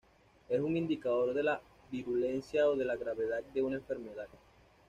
Es un indicador de la virulencia o de la gravedad de una enfermedad.